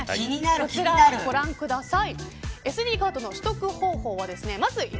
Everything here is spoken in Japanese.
こちら、ご覧ください。